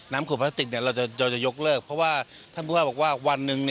น้ำขวดปลาสติกเราจะยกเลิกเพราะว่าเขาบอกว่าวันหนึ่ง